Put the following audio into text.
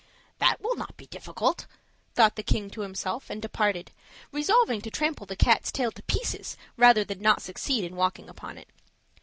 "That will not be very difficult," thought the king to himself, and departed, resolving to trample the cat's tail to pieces rather than not succeed in walking upon it.